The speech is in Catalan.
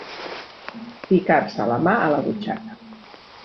Ficar-se la mà a la butxaca.